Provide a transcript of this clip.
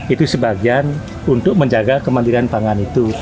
itu sebagian untuk menjaga kemandirian pangan itu